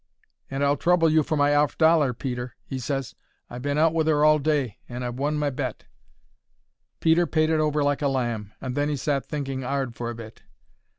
"And I'll trouble you for my 'arf dollar, Peter," he ses; "I've been out with 'er all day, and I've won my bet." Peter paid it over like a lamb, and then 'e sat thinking 'ard for a bit.